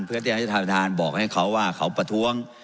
เพื่อที่ให้ท่านประธานบอกให้เขาว่าเขาประท้วง